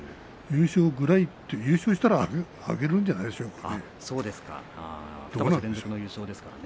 優勝ぐらいというか優勝したらあげるんじゃないですか。